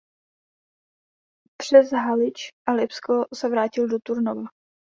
Přes Halič a Lipsko se vrátil do Turnova.